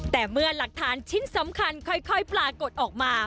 แต่เมื่อหลักฐานชิ้นสำคัญค่อยปรากฏออกมา